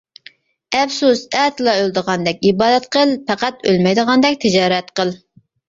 ئەپسۇس ئەتىلا ئۆلىدىغاندەك ئىبادەت قىل، پەقەت ئۆلمەيدىغاندەك تىجارەت قىل.